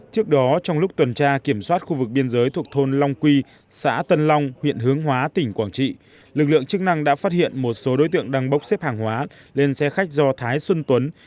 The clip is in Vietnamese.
trước đó trong lúc tuần tra kiểm soát khu vực biên giới thuộc thôn long quy xã tân long huyện hướng hóa tỉnh quảng trị lực lượng chức năng đã phát hiện một số đối tượng đang bốc xếp hàng hóa lên xe khách do thái xuân tuấn